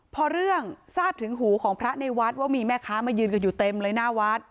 พอเรื่องทราบถึงหูของพระในวัดว่ามีแม่ค้ามายืนกันอยู่เต็มเลยหน้าวัด